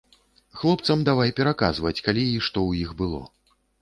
Хлопцам давай пераказваць, калі й што ў іх было.